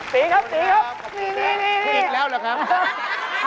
ตี๊ครับนี่ค่ะจะคลิกแล้วเหรอครับ